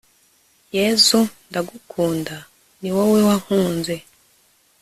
yezu ndagukunda, ni wowe wankunze